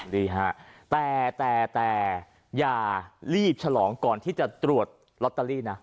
ดีฮะแต่แต่อย่ารีบฉลองก่อนที่จะตรวจลอตเตอรี่นะ